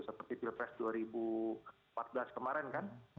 seperti pilpres dua ribu empat belas kemarin kan